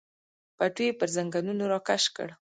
پټو یې پر زنګنونو راکش کړ.